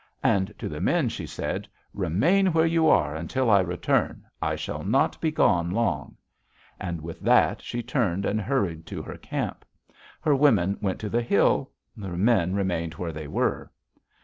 And to the men she said, 'Remain where you are until I return. I shall not be gone long.' And with that she turned and hurried to her camp. Her women went to the hill. The men remained where they were.